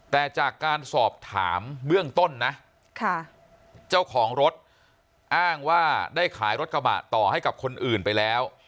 แต่จากการสอบถามเบื้องต้นนะเจ้าของรถอ้างว่าได้ขายรถกระบะต่อให้กับคนอื่นไปแล้ว